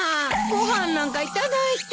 ご飯なんか頂いて。